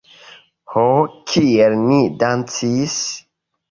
Ho, kiel ni dancis!